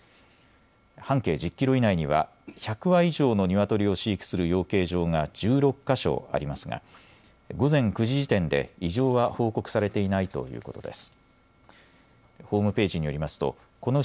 半径１０キロ以内には１００羽以上のニワトリを飼育する養鶏場が１６か所ありますが午前９時時点で異常は報告されていないということです。